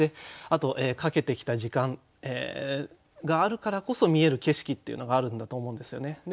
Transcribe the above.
あとかけてきた時間があるからこそ見える景色っていうのがあるんだと思うんですよね。